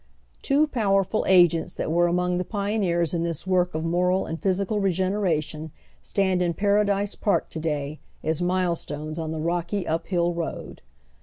Two powerful agents that were among the pioneers in this work of moral and physical regeneration stand in Paradise Park to day as milestones on the rocky, uphill road.